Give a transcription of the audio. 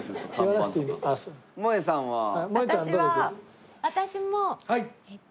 私は私も。